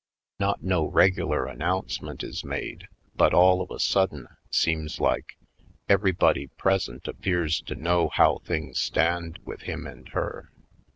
Not no regular announcement is made but all of a sudden, seems like, everybody present ap pears to know how things stand with him and her.